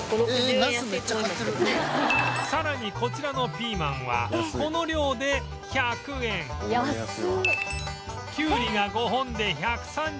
さらにこちらのピーマンはこの量で１００円きゅうりが５本で１３０円など